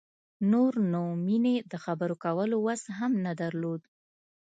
نور نو مينې د خبرو کولو وس هم نه درلود.